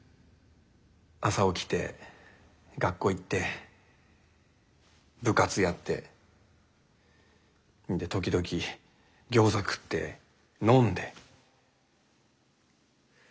朝起きて学校行って部活やって時々餃子食って飲んで。